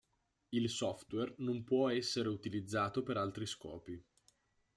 Il software non può essere utilizzato per altri scopi.